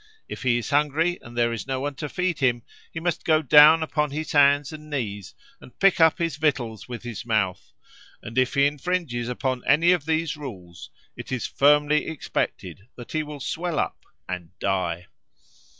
If he is hungry and there is no one to feed him, he must go down upon his hands and knees, and pick up his victuals with his mouth: and if he infringes upon any of these rules, it is firmly expected that he will swell up and die."